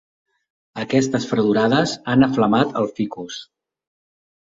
Aquestes fredorades han aflamat el ficus.